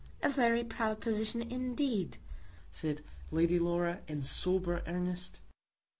"A very proud position indeed," said Lady Laura, in sober earnest.